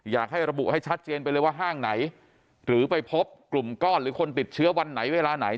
อยากให้ระบุให้ชัดเจนไปเลยว่าห้างไหนหรือไปพบกลุ่มก้อนหรือคนติดเชื้อวันไหนเวลาไหน